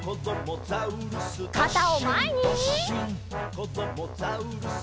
「こどもザウルス